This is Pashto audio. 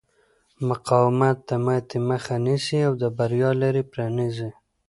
مقاومت د ماتې مخه نیسي او د بریا لارې پرانیزي.